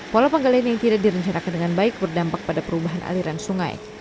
walau penggalian yang tidak direncanakan dengan baik berdampak pada perubahan aliran sungai